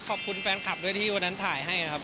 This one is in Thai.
ขอบคุณแฟนคลับด้วยที่วันนั้นถ่ายให้ครับ